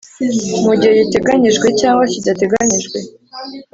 Mu gihe giteganyijwe cyangwa kidateganyijwe